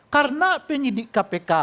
karena penyelidik kpk